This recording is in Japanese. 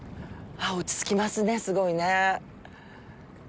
落ちつきますね、すごいね。